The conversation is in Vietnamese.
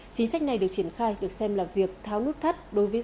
chính sách này được triển khai được xem là việc tháo nút thắt